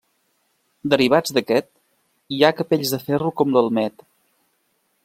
Derivats d'aquest hi ha capells de ferro com l'elmet.